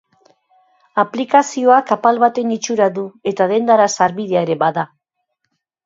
Aplikazioa apal baten itxura du eta dendara sarbidea ere da.